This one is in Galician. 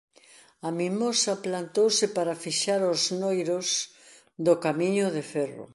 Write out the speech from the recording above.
A mimosa plantouse para fixar os noiros do camiño de ferro.